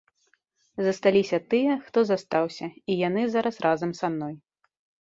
Засталіся тыя, хто застаўся, і яны зараз разам са мной.